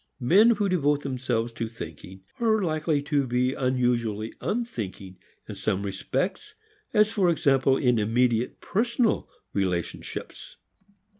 Men who devote themselves to thinking are likely to be unusually unthinking in some respects, as for example in immediate personal relationships.